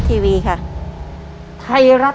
เร็วเร็ว